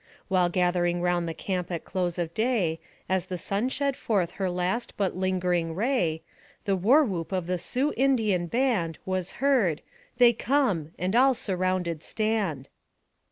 While gathering round the camp at close of day, As the sun shed forth her last but lingering ray, The war whoop of the Sioux Indian band Was heard; u They come," and all surrounded stand.